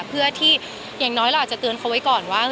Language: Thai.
เพื่อที่อย่างน้อยเราอาจจะเตือนเขาไว้ก่อนว่า